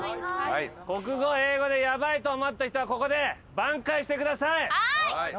国語英語でヤバいと思った人はここで挽回してください！